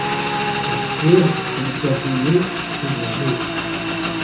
Pode ser que no próximo mês eu me ajeite.